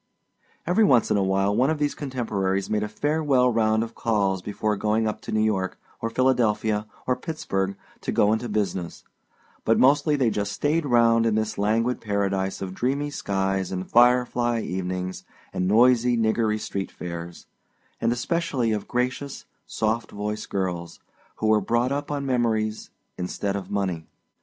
Every once in a while one of these contemporaries made a farewell round of calls before going up to New York or Philadelphia or Pittsburgh to go into business, but mostly they just stayed round in this languid paradise of dreamy skies and firefly evenings and noisy nigger street fairs and especially of gracious, soft voiced girls, who were brought up on memories instead of money.